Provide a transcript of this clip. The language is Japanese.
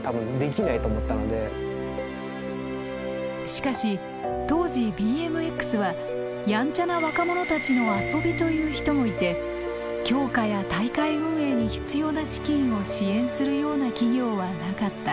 しかし当時ＢＭＸはヤンチャな若者たちの遊びという人もいて強化や大会運営に必要な資金を支援するような企業はなかった。